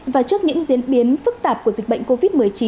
và trước những diễn biến phức tạp của dịch bệnh covid một mươi chín